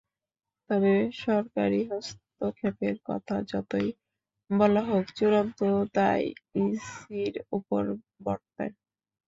তবে সরকারি হস্তক্ষেপের কথা যতই বলা হোক, চূড়ান্ত দায় ইসির ওপর বর্তায়।